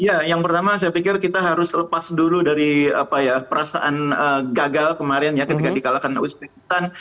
ya yang pertama saya pikir kita harus lepas dulu dari perasaan gagal kemarin ya ketika dikalahkan uzbekistan